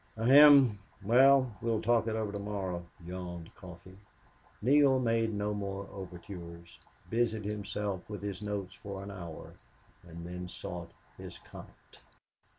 "Ahem! Well, we can talk it over to morrow," yawned Coffee. Neale made no more overtures, busied himself with his notes for an hour, and then sought his cot.